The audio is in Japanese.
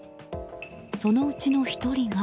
そのうちの１人が。